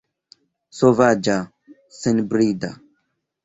Sovaĝa, senbrida!